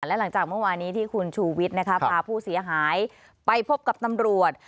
และหลังจากเมื่อวานี้ที่คุณชูวิทย์พาผู้เสียหายไปพบกับตำรวจ